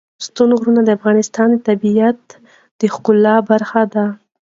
ستوني غرونه د افغانستان د طبیعت د ښکلا برخه ده.